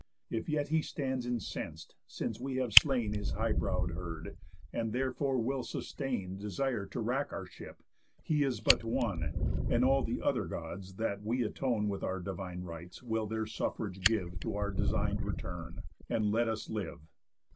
If yet he stands incens'd, since we have slain His high brow'd herd, and, therefore, will sustain Desire to wrack our ship, he is but one, And all the other Gods that we atone With our divine rites will their suffrage give To our design'd return, and let us live.